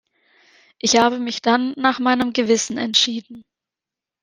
Ich habe mich dann nach meinem Gewissen entschieden.